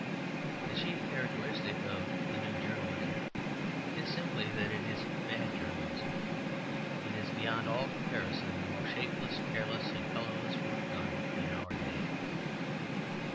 The chief characteristic of the "New journalism" is simply that it is bad journalism. It is beyond all comparison the most shapeless, careless, and colourless work done in our day.